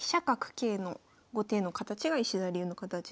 桂の後手の形が石田流の形ですね。